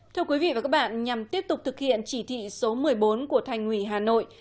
thưa quý vị và các bạn nhằm tiếp tục thực hiện chỉ thị số một mươi bốn của thành ủy hà nội